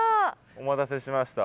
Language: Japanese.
お待たせしました。